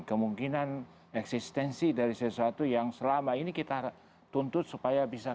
kemungkinan eksistensi dari sesuatu yang selama ini kita tuntut supaya bisa